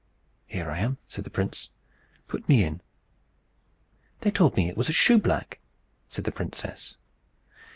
"Here I am," said the prince. "Put me in." "They told me it was a shoeblack," said the princess.